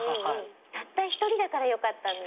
たった１人だからよかったんだ。